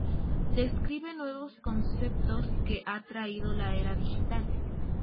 Describe nuevos conceptos que ha traído la era digital.